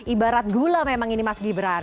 ibarat gula memang ini mas gibran